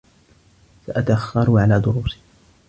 سأتأخّر على دروسي.